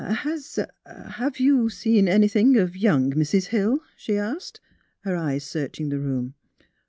" Has — have you seen anything of young Mrs. Hill? " she asked, her eyes searching the room.